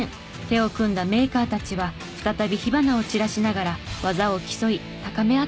手を組んだメーカーたちは再び火花を散らしながら技を競い高め合っています。